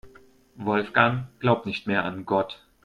Wolfgang glaubt nicht mehr an Gott.